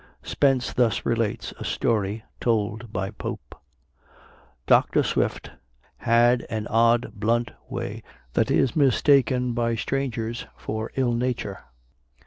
Spence thus relates a story told by Pope: "Dr. Swift had an odd blunt way that is mistaken by strangers for ill nature.